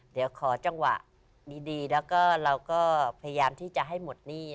เดี๋ยวขอจังหวะดีแล้วก็เราก็พยายามที่จะให้หมดหนี้